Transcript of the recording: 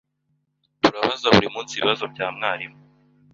Turabaza buri munsi ibibazo bya mwarimu.